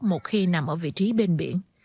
một khi nằm ở vị trí bên biển